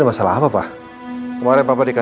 ada pak lagi pada ngumpul nih